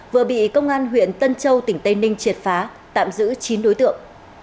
vừa bị công an huyện tân châu tỉnh tây ninh triệt phá tạm giữ chín đối tượng